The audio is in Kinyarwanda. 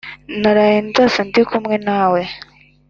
Naraye ndose ndikumwe nawe